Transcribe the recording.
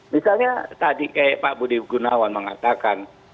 misalnya tadi kayak pak budi gunawan mengatakan